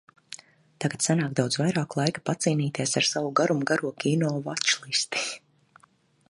Tagad sanāk daudz vairāk laika pacīnīties ar savu garumgaro kino vačlisti.